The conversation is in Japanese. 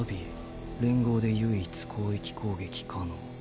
連合で唯一広域攻撃可能。